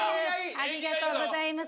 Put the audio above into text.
ありがとうございます。